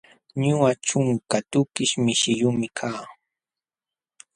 Ñuqa ćhunka tukish mishiyuqmi kaa.